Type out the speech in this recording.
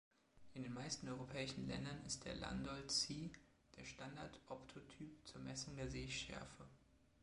In den meisten europäischen Ländern ist der Landolt C der Standard-Optotyp zur Messung der Sehschärfe.